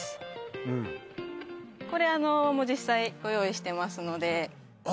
うんこれ実際ご用意してますのであ！